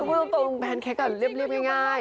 พูดตรงแบรนเค้กเรียบง่าย